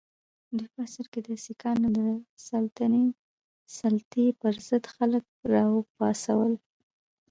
دوی په اصل کې د سیکهانو د سلطې پر ضد خلک را وپاڅول.